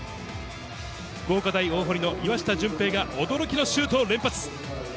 福岡大大濠の岩下准平が驚きのシュートを連発。